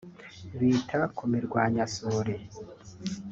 bita ku mirwanyasuri